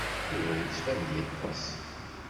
Yuba yettban-d yeṭṭes.